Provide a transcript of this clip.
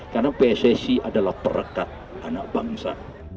karena pssi adalah perekat anak bangsa